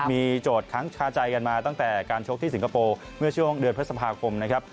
มีโจทย์ค้างคาใจกันมาตั้งแต่การชกที่สิงคโปร์เมื่อช่วงเดือนพฤษภาคมนะครับ